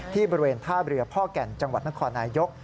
บริเวณท่าเรือพ่อแก่นจังหวัดนครนายก